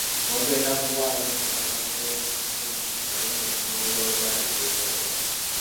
Wagenda kubaawo entuula za kkooti kkumi na lumu mu bitundu bya Uganda eby'enjawulo.